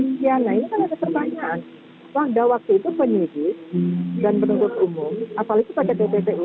nah ini kan ada kesertanyaan waktu itu penyit dan penuntut umum apalagi pakai tppu